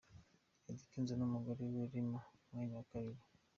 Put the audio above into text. Eddy Kenzo n'umugore we Rema ku mwanya wa kabiri.